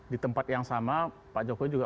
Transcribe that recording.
di tempat yang sama pak jokowi juga